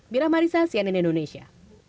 bila marissa cnn indonesia